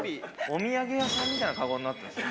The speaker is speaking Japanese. お土産屋さんみたいなカゴになってます。